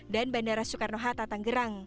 dan bandara soekarno hatta tanggerang